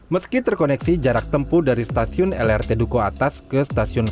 meski terkoneksi jarak tempuh dari stasiun lrt duku atas ke stasiun